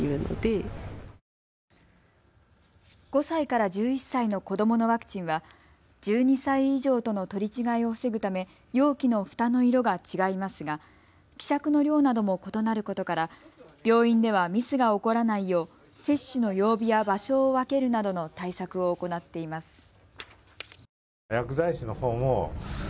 ５歳から１１歳の子どものワクチンは１２歳以上との取り違えを防ぐため容器のふたの色が違いますが希釈の量なども異なることから病院ではミスが起こらないよう接種の曜日や場所を分けるなどの対策を行っています。